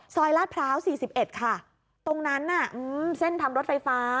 ซอยลาดพร้าว๔๑ค่ะตรงนั้นน่ะเส้นทำรถไฟฟ้า